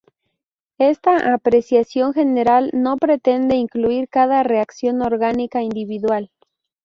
Esta apreciación general no pretende incluir cada reacción orgánica individual.